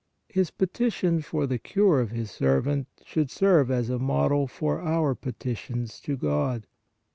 His petition for the cure of his servant should serve as a model for our petitions to God.